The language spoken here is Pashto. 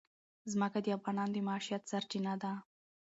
ځمکه د افغانانو د معیشت سرچینه ده.